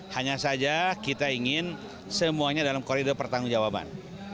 hanya saja kita ingin semuanya dalam koridor pertanggung jawaban